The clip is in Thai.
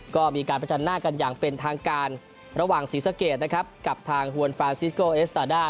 ก็มีการประจันหน้ากันอย่างเป็นทางการระหว่างศรีสะเกดนะครับกับทางฮวนฟานซิสโกเอสตาด้า